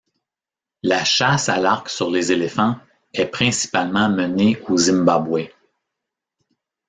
La chasse à l'arc sur les éléphants est principalement menée au Zimbabwe.